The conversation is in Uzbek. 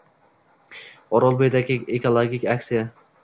Orolbo‘yida ekologik aksiya